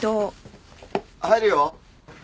入るよ？